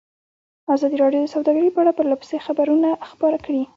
ازادي راډیو د سوداګري په اړه پرله پسې خبرونه خپاره کړي.